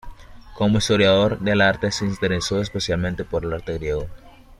Como historiador del arte se interesó especialmente por el arte griego.